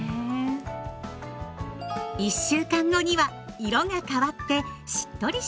１週間後には色が変わってしっとりしてきます。